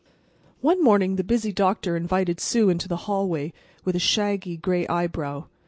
One morning the busy doctor invited Sue into the hallway with a shaggy, gray eyebrow.